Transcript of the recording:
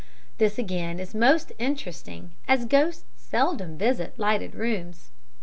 This, again, is most interesting, as ghosts seldom visit lighted rooms.